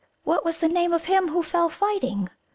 "What was the name of him who fell fighting?"